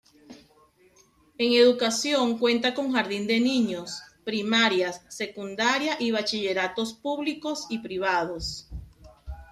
En educación cuenta con Jardin de niños, primarias, secundaria y bachilleratos públicos y privados.